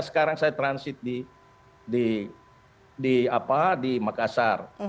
sekarang saya transit di makassar